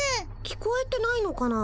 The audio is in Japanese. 聞こえてないのかな？